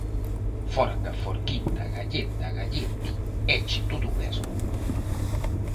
Forca, forquita, galleta, gallete... éche todo o mesmo...